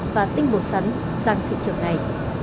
và tinh bột sắn sang thị trường này